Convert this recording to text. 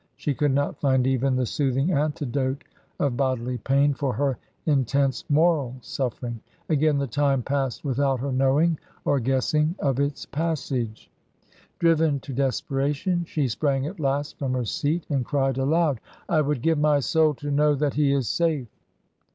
She could not find even the soothing antidote of bodily pain for her intense moral suffering. Again the time passed without her knowing or guessing of its passage. Driven to desperation she sprang at last from her seat and cried aloud. "I would give my soul to know that he is safe!"